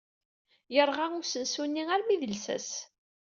Yerɣa usensu-nni armi d llsas.